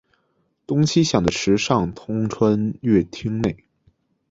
东西向的池上通穿越町内。